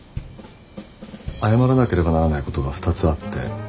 謝らなければならないことが２つあって。